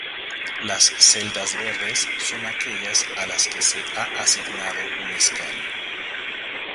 Las celdas verdes son aquellas a las que se ha asignado un escaño.